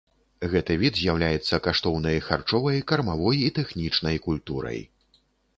Гэты від з'яўляецца каштоўнай харчовай, кармавой і тэхнічнай культурай.